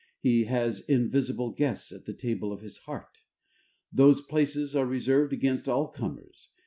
He has invisible guests at the table of his heart: those places are reserved against all comers.